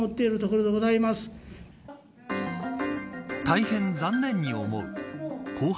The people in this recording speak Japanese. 大変残念に思う。